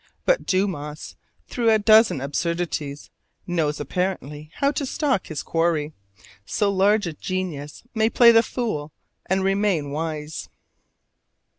But Dumas, through a dozen absurdities, knows apparently how to stalk his quarry: so large a genius may play the fool and remain wise.